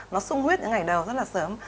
nó sung huyết những ngày đầu rất là sớm